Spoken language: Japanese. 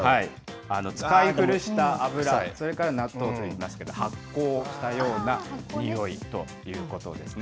使い古した油、それから納豆といいますか、発酵したようなにおいということですね。